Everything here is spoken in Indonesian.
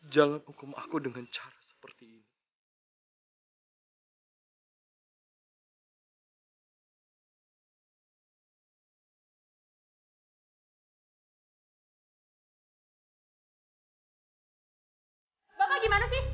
jangan hukum aku dengan cara seperti ini